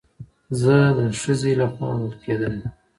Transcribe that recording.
زه د خځې له خوا وهل کېدلم